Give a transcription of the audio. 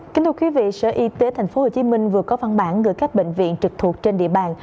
kính thưa quý vị sở y tế tp hcm vừa có văn bản gửi các bệnh viện trực thuộc trên địa bàn